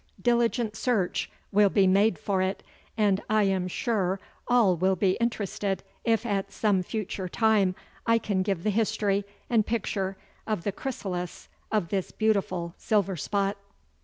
Diligent search will be made for it, and I am sure all will be interested if at some future time I can give the history and picture of the chrysalis of this beautiful Silver spot.